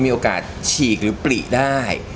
มีโอกาสฉีกหรือปลีได้